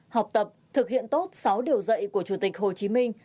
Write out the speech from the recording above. học tập thực hiện tốt sáu điều dạy của chủ tịch hồ chí minh